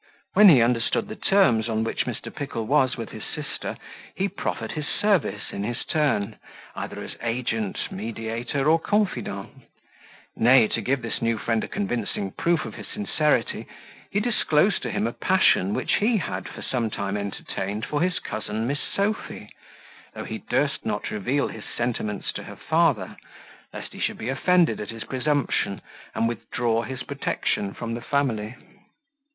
When he understood the terms on which Mr. Pickle was with his sister, he proffered his service in his turn, either as agent, mediator, or confidant: nay, to give this new friend a convincing proof of his sincerity, he disclosed to him a passion which he had for some time entertained for his cousin Miss Sophy, though he durst not reveal his sentiments to her father, lest he should be offended at his presumption, and withdraw his protection from the family.